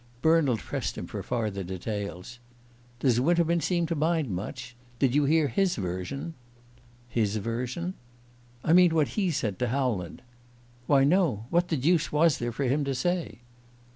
Bernald pressed him for farther details. "Does Winterman seem to mind much? Did you hear his version?" "His version?" "I mean what he said to Howland." "Why no. What the deuce was there for him to say?"